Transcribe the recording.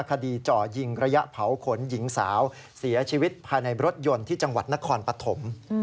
คดีจ่อยิงระยะเผาขนหญิงสาวเสียชีวิตภายในรถยนต์ที่จังหวัดนครปฐม